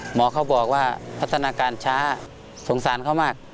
หมอเขาบอกว่าพัฒนาการช้าสงสารเขามาก